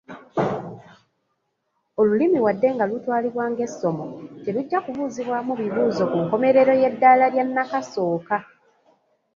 Olulimi wadde nga lutwalibwa ng’essomo, terujja kubuuzibwamu bibuuzo ku nkomerero y’eddaala lya nnakasooka.